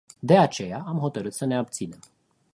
De aceea, am hotărât să ne abținem.